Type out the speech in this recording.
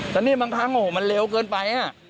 แต่นี่บางทั้งมันเร็วเกินไป